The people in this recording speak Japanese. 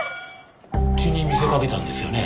血に見せかけたんですよね？